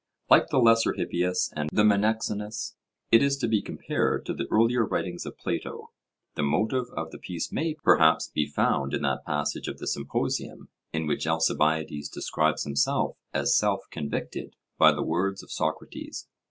Like the Lesser Hippias and the Menexenus, it is to be compared to the earlier writings of Plato. The motive of the piece may, perhaps, be found in that passage of the Symposium in which Alcibiades describes himself as self convicted by the words of Socrates.